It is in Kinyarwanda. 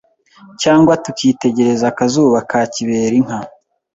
cyangwa tukitegereza akazuba ka kiberinka